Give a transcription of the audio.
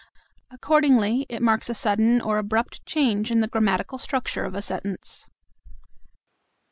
Accordingly, it marks a sudden, or abrupt, change in the grammatical structure of a sentence.